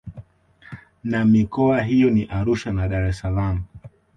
Na mikoa hiyo ni Arusha na Dar es salaam